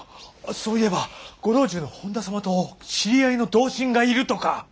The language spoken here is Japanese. そういえばご老中の本多様と知り合いの同心がいるとか。